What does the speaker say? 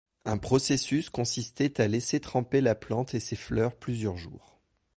Un processus consistait à laisser tremper la plante et ses fleurs plusieurs jours.